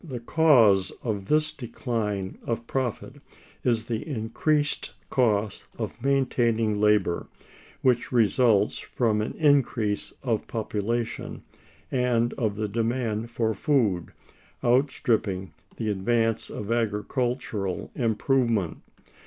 The cause of this decline of profit is the increased cost of maintaining labor, which results from an increase of population and of the demand for food, outstripping the advance of agricultural improvement.